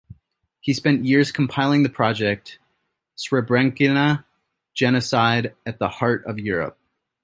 He spent years compiling the project "Srebrenica - genocide at the heart of Europe".